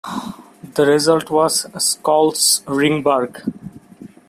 The result was Schloss Ringberg.